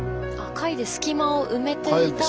貝で隙間を埋めてたんだ。